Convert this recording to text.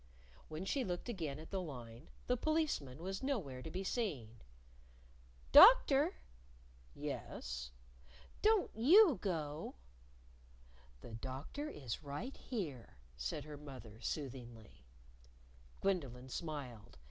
When she looked again at the line, the Policeman was nowhere to be seen. "Doctor!" "Yes." "Don't you go." "The Doctor is right here," said her mother, soothingly. Gwendolyn smiled.